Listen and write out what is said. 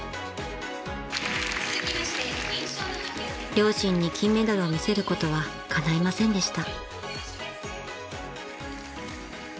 ［両親に金メダルを見せることはかないませんでした］